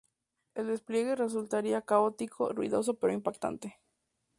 El despliegue resultaría caótico, ruidoso pero impactante.